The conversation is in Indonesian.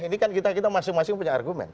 ini kan kita masing masing punya argumen